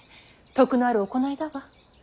徳のある行いだわ。